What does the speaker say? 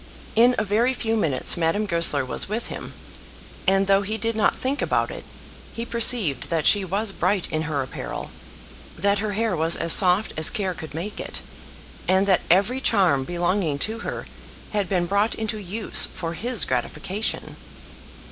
In a very few minutes Madame Goesler was with him, and, though he did not think about it, he perceived that she was bright in her apparel, that her hair was as soft as care could make it, and that every charm belonging to her had been brought into use for his gratification.